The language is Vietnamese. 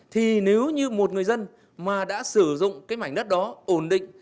thì nếu như một người dân mà đã sử dụng cái mảnh đất đó ổn định